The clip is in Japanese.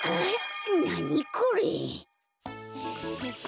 なにこれ？